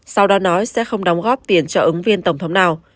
sau đó nói sẽ không đóng góp tiền cho ứng viên tổng thống nào